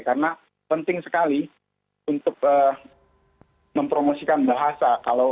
karena penting sekali untuk mempromosikan bahasa